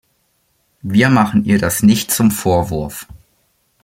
Wir machen ihr das nicht zum Vorwurf.